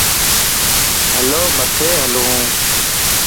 ھلو مٿي ھلان.